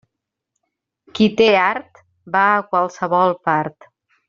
Qui té art va a qualsevol part.